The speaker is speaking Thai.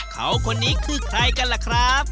เขาคนนี้คือใครกันล่ะครับ